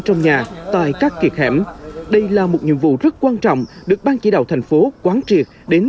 trong nhà tại các kiệt hẻm đây là một nhiệm vụ rất quan trọng được ban chỉ đạo thành phố quán triệt đến